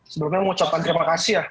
sebelumnya mengucapkan terima kasih ya